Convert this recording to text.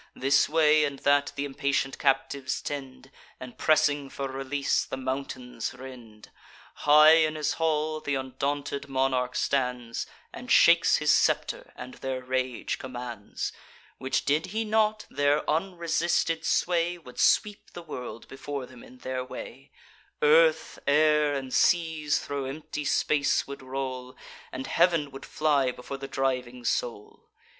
This way and that th' impatient captives tend, And, pressing for release, the mountains rend. High in his hall th' undaunted monarch stands, And shakes his scepter, and their rage commands; Which did he not, their unresisted sway Would sweep the world before them in their way; Earth, air, and seas thro' empty space would roll, And heav'n would fly before the driving soul.